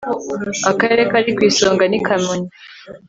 Akarere kari ku isonga ni Kamonyi